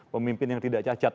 pemimpin yang tidak cacat